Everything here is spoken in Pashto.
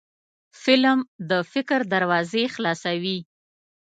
فلم د فکر دروازې خلاصوي